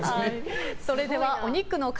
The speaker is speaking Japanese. それではお肉の塊